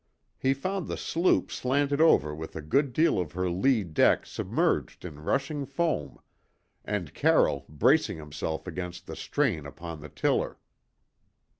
He found the sloop slanted over with a good deal of her lee deck submerged in rushing foam, and Carroll bracing himself against the strain upon the tiller.